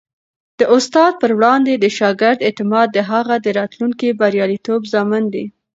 د استاد پر وړاندې د شاګرد اعتماد د هغه د راتلونکي بریالیتوب ضامن دی.